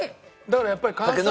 だからやっぱり関西。